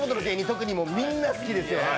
特にみんな好きですよね